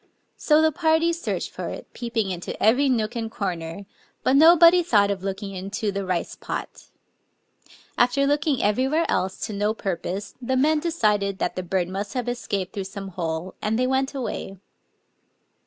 So the party searched for it, peeping into every nook and corner; but nobody thought of looking into the rice pot. After looking everywhere else to no purpose, the men decided that the bird must have escaped through some hole ; and they went away.